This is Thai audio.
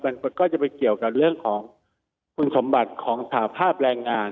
มันก็จะไปเกี่ยวกับเรื่องของคุณสมบัติของสถาภาพแรงงาน